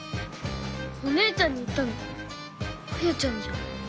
お姉ちゃんに言ったのあやちゃんじゃん。